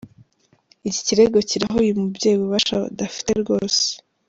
Iki kirego kiraha uyu mubyeyi ububasha adafite rwose!